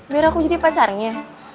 biar aku jadi pacarnya